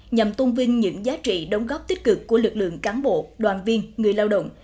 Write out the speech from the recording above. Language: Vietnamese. nhằm tôn vinh những giá trị đóng góp tích cực của lực lượng cán bộ đoàn viên người lao động